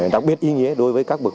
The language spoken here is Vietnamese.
đặc biệt ý nghĩa đối với các bước